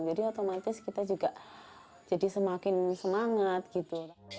jadi otomatis kita juga jadi semakin semangat gitu